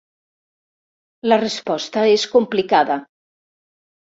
La resposta és complicada.